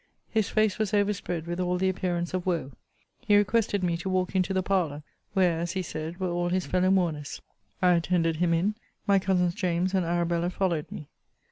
His face was overspread with all the appearance of woe. He requested me to walk into the parlour; where, as he said, were all his fellow mourners. I attended him in. My cousins James and Arabella followed me.